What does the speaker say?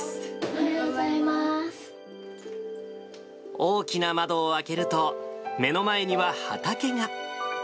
大きな窓を開けると、目の前には畑が。